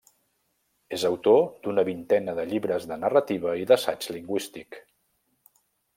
És autor d'una vintena de llibres de narrativa i d'assaig lingüístic.